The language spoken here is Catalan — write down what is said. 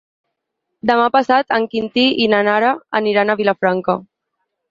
Demà passat en Quintí i na Lara aniran a Vilafranca.